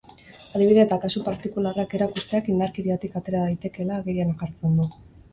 Adibide eta kasu partikularrak erakusteak indarkeriatik atera daitekeela agerian jartzen du.